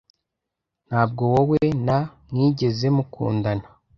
Ntabwo wowe na mwigeze mukundana?